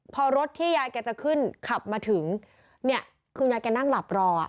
พอรถที่ยายแกจะขึ้นขับมาถึงเนี่ยคุณยายแกนั่งหลับรออ่ะ